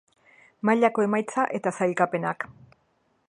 Mailako emaitza eta sailkapenak.